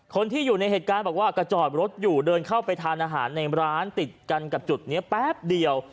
คนที่อยู่ในเหตุการณ์บอกว่าก็จอดรถอยู่เดินเข้าไปทานอาหารในร้านติดกันกับจุดนี้แป๊บเดียว